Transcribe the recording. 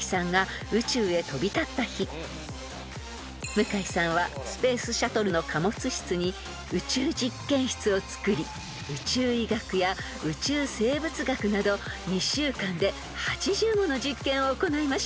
［向井さんはスペースシャトルの貨物室に宇宙実験室をつくり宇宙医学や宇宙生物学など２週間で８０もの実験を行いました］